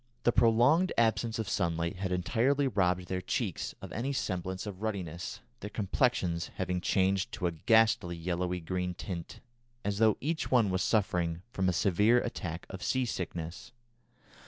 The prolonged absence of sunlight had entirely robbed their cheeks of any semblance of ruddiness, their complexions having changed to a ghastly yellowy green tint, as though each one was suffering from a severe attack of sea sickness.